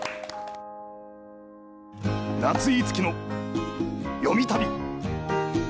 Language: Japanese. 「夏井いつきのよみ旅！」。